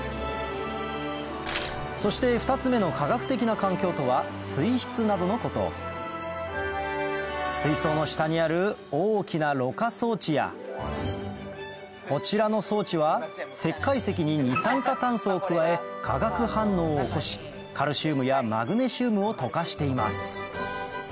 そして２つ目の水槽の下にある大きなろ過装置やこちらの装置は石灰石に二酸化炭素を加え化学反応を起こしカルシウムやマグネシウムを溶かしています